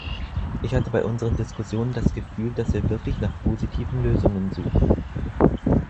Ich hatte bei unseren Diskussionen das Gefühl, dass wir wirklich nach positiven Lösungen suchen.